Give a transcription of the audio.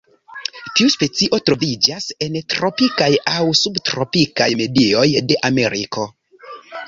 Tiu specio troviĝas en tropikaj aŭ subtropikaj medioj de Ameriko.